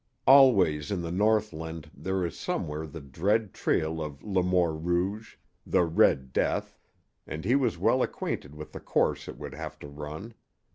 Always in the northland there is somewhere the dread trail of le mort rouge, the "red death," and he was well acquainted with the course it would have to run.